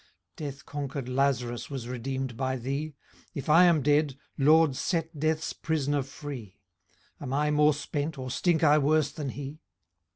Death conquer'd Laz rus was redeem'd by thee ; If I am dead, LORD, set death's pris'ner free ; Am I more spent, or stink I worse than he